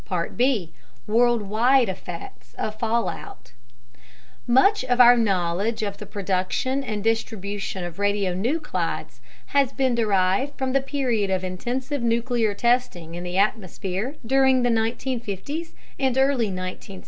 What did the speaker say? B. Worldwide Effects of Fallout Much of our knowledge of the production and distribution of radionuclides has been derived from the period of intensive nuclear testing in the atmosphere during the 1950's and early 1960's.